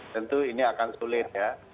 tentu ini akan sulit ya